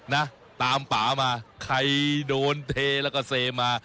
นะตามป่ามาใครโดนเทแล้วก็เซมา